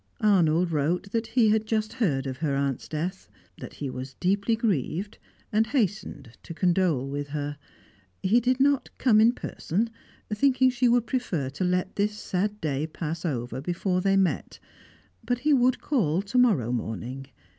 Arnold wrote that he had just heard of her aunt's death: that he was deeply grieved, and hastened to condole with her. He did not come in person, thinking she would prefer to let this sad day pass over before they met, but he would call to morrow morning.